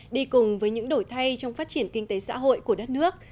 đi cùng với những đổi thay trong phát triển kinh tế xã hội của đất nước